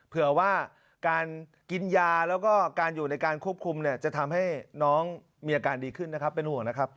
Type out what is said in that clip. เผื่อว่าการกินยาแล้วก็การอยู่ในการควบคุมเนี่ยจะทำให้น้องมีอาการดีขึ้นนะครับเป็นห่วงนะครับ